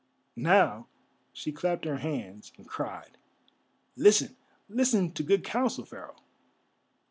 Now she clapped her hands and cried: "Listen, listen to good counsel, Pharaoh."